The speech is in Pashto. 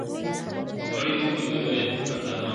مړی نه وو یوه لویه هنګامه وه ..